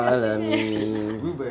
ini yang digunakan bagus ya